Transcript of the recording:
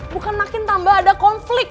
bukan makin tambah ada konflik